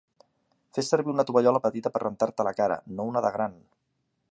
Fes servir una tovallola petita per rentar-te la cara, no una de gran